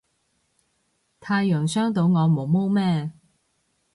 太陽傷到我毛毛咩